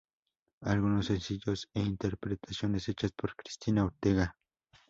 Algunos sencillos e interpretaciones hechas por Cristina Ortega.